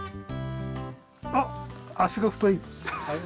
あっ足が太い！